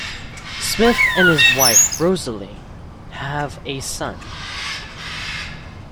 Smith and his wife Rosalynn have a son.